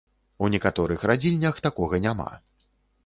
У некаторых радзільнях такога няма.